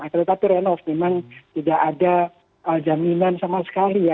tetapi renov memang tidak ada jaminan sama sekali ya